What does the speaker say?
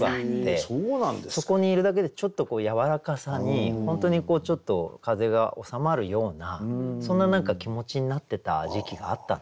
そこにいるだけでちょっとやわらかさに本当にこうちょっと風邪が治まるようなそんな何か気持ちになってた時期があったんですよね。